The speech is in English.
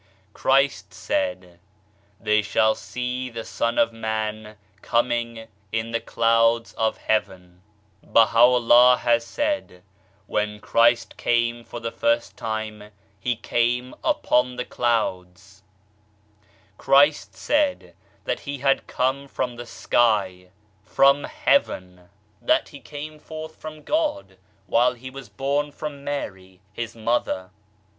Christ said, " They shall see the Son of Man coming in the clouds of Heaven/' l Baha'u'llah said, " When Christ came for the first time He came upon the clouds/' 2 Christ said that He had come from the sky, from Heaven that He came forth from God while He was born of Mary His Mother.